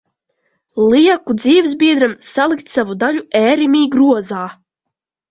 Lieku dzīvesbiedram salikt savu daļu e-rimi grozā.